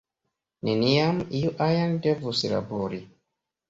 Neniam iu ajn devus labori.